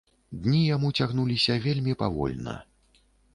Дні яму цягнуліся вельмі павольна.